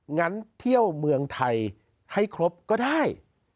งั้นเที่ยวเมืองไทยให้ครบก็ได้